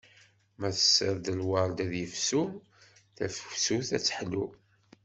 Ma tessiḍ lward ad yefsu, tafsut ad teḥlu.